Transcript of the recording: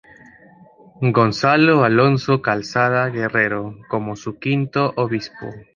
Gonzalo Alonso Calzada Guerrero, como su quinto obispo.